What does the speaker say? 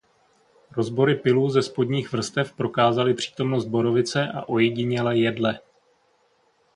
Rozbory pylu ze spodních vrstev prokázaly přítomnost borovice a ojediněle jedle.